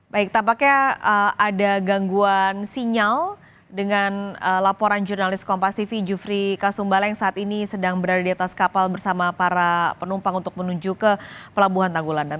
baik tampaknya ada gangguan sinyal dengan laporan jurnalis kompas tv jufri kasumbala yang saat ini sedang berada di atas kapal bersama para penumpang untuk menuju ke pelabuhan tanggulandak